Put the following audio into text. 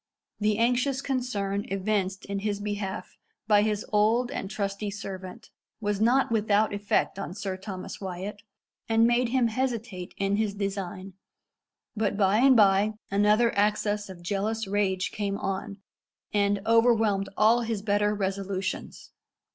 The anxious concern evinced in his behalf by his old and trusty servant was not without effect on Sir Thomas Wyat, and made him hesitate in his design; but by and by another access of jealous rage came on, and overwhelmed all his better resolutions.